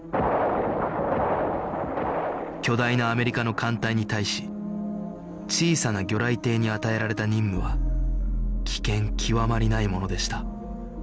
巨大なアメリカの艦隊に対し小さな魚雷艇に与えられた任務は危険極まりないものでした